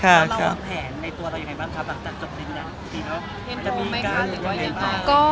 เราเป็นแผนในตัวเรายังไงบ้างค่ะ